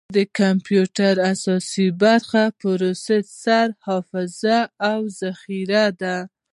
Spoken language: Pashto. د کمپیوټر اساسي برخې پروسیسر، حافظه، او ذخیره ده.